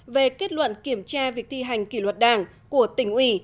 về kết luận kiểm tra việc thi hành kỷ luật đảng của tỉnh ủy